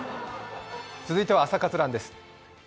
続いては「朝活ＲＵＮ」です。